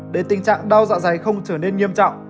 để tình trạng đau dạ dày không trở nên nghiêm trọng